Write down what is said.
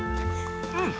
うん。